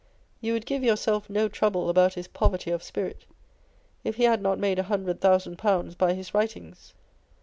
You would give yourself no trouble about bis poverty of spirit, if he had not made a hundred thousand pounds by his writings.